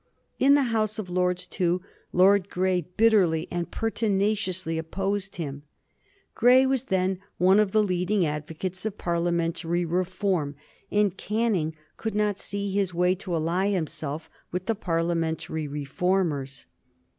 In the House of Lords, too, Lord Grey bitterly and pertinaciously opposed him. Grey was then one of the leading advocates of Parliamentary reform, and Canning could not see his way to ally himself with the Parliamentary reformers.